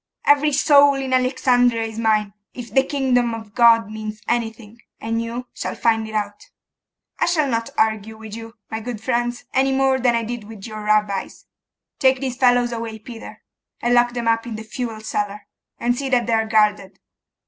Every soul in Alexandria is mine, if the kingdom of God means anything; and you shall find it out. I shall not argue with you, my good friends, anymore than I did with your Rabbis. Take these fellows away, Peter, and lock them up in the fuel cellar, and see that they are guarded.